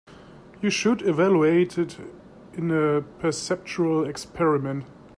You should evaluate it in a perceptual experiment.